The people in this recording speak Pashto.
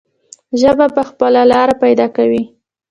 ژبه به خپله لاره پیدا کوي.